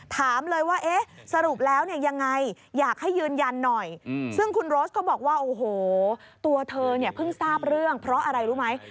ถามเลยว่าเอ๊ะสรุปแล้วเนี่ยยังไงอยากให้ยืนยันหน่อยซึ่งคุณโรสก็บอกว่าโอ้โหตัวเธอเนี่ยเพิ่งทราบเรื่องเพราะอะไรรู้ไหม